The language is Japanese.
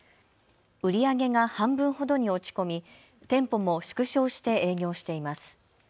売り上げが半分ほどに落ち込み、店舗も縮小して営業しています。